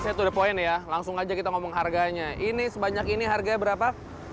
ini setuap poin ya langsung aja kita ngomong harganya ini sebanyak ini harganya berapa tiga belas